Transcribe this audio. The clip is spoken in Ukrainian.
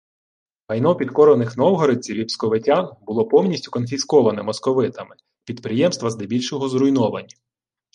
Майно підкорених новгородців і псковитян було повністю конфісковане московитами, підприємства здебільшого зруйновані